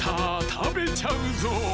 たべちゃうぞ！